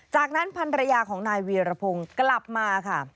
จากนั้นพันรยาของนายเวียรพงศ์กลับมาค่ะ